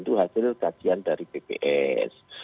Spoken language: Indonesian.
itu hasil kajian dari bps